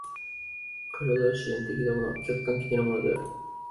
身体は自然的なもの、客観的なものである。